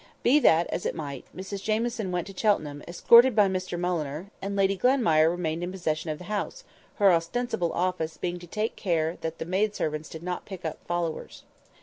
Be that as it might, Mrs Jamieson went to Cheltenham, escorted by Mr Mulliner; and Lady Glenmire remained in possession of the house, her ostensible office being to take care that the maid servants did not pick up followers.